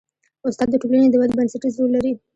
استاد د ټولنې د ودې بنسټیز رول لري.